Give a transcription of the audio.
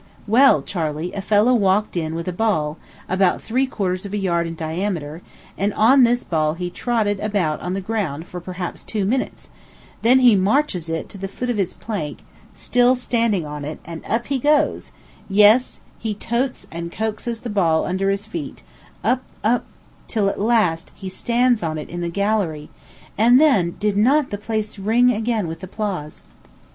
Well, Charley, a fellow walked in with a ball, about three quarters of a yard in diameter, and on this ball he trotted about on the ground for perhaps two minutes; then he marches it to the foot of this plank, still standing on it, and up he goes, yes, he totes and coaxes the ball under his feet, up, up, till at last he stands on it on the gallery; and then, did not the place ring again with applause?